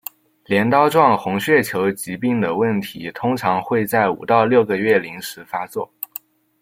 镰刀状红血球疾病的问题通常会在五到六个月龄时发作。